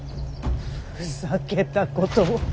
ふざけたことを。